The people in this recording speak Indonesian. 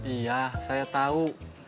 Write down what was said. iya saya tahu